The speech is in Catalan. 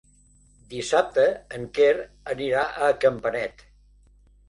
Dissabte en Quer anirà a Campanet.